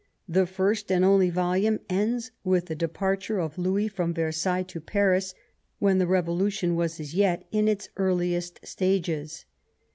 The first and only volume ends with the departure of Louis from Ver sailles to Paris, when the Revolution was as yet in its earliest stages.